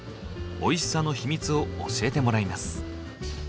おいしさのヒミツを教えてもらいます。